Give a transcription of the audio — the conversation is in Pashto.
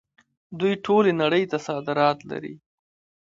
دوی ټولې نړۍ ته صادرات لري.